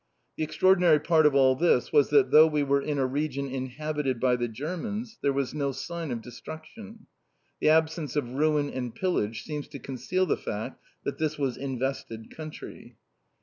The extraordinary part of all this was that though we were in a region inhabited by the Germans there was no sign of destruction. The absence of ruin and pillage seems to conceal the fact that this was invested country.